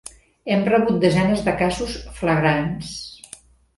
Hem rebut desenes de casos flagrants.